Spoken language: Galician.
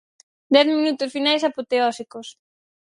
Dez minutos finais apoteósicos.